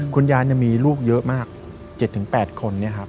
คุณยายมีลูกเยอะมาก๗๘คน